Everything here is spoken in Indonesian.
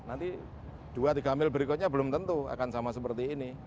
nanti dua tiga mil berikutnya belum tentu akan sama seperti ini